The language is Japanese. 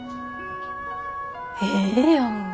ええやん。